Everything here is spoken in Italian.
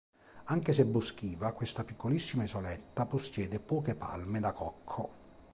Anche se boschiva, questa piccolissima isoletta possiede poche palme da cocco.